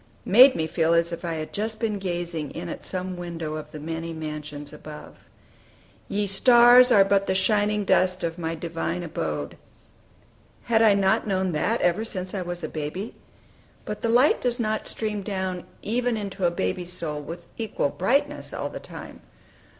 made me feel as if I had just been gazing in at some window of the "many mansions" above: "Ye stars are but the shining dust Of my divine abode " Had I not known that, ever since I was a baby? But the light does not stream down even into a baby's soul with equal brightness all the time.